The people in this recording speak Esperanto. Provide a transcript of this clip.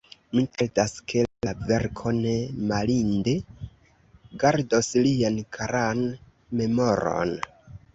Ni kredas, ke la verko ne malinde gardos lian karan memoron.